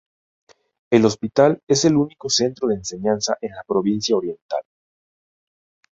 El hospital es el único centro de enseñanza en la Provincia Oriental.